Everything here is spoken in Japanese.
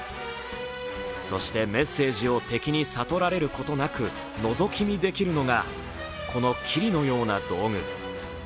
そして、メッセージを敵に悟られることなくのぞき見できるのがこのキリのような道具。